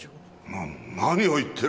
なっ何を言ってるんだ？